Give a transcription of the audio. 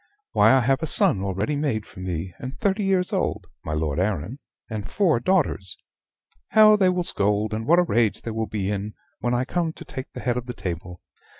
"Why, I have a son already made for me, and thirty years old (my Lord Arran), and four daughters. How they will scold, and what a rage they will be in, when I come to take the head of the table!